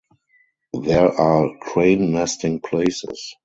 There are crane nesting places.